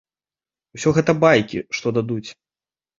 Усё гэта байкі, што дадуць.